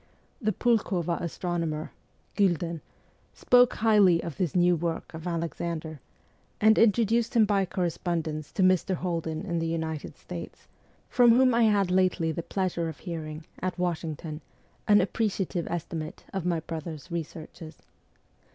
The Pulkova astronomer, Gylden, spoke highly of this new work of Alexander, and introduced him by correspondence to Mr. Holden in the United States, from whom I had lately the pleasure of hearing, at Washington, an appreciative estimate of my brother's researches.